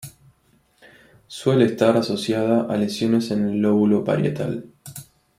Suele estar asociada a lesiones en el lóbulo parietal.